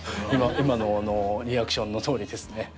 今のリアクションのとおりですね。